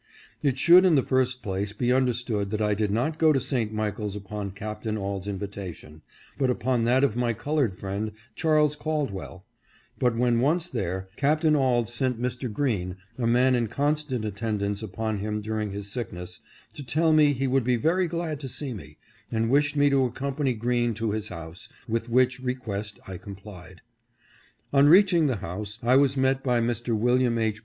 It should in the first place be understood that I did not go to St. Michaels upon Capt. Auld's invitation, but upon that of my colored friend, Charles Caldwell ; but when once there, Capt. Auld sent Mr. Green, a man in constant attendance upon him during his sickness, to tell me he would be very glad to see me, and wished me to accom pany Green to his house, with which request I complied. On reaching the house I was met by Mr. Wm. H.